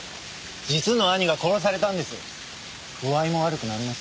実の兄が殺されたんです。